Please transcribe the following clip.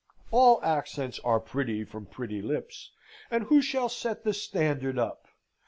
All accents are pretty from pretty lips, and who shall set the standard up?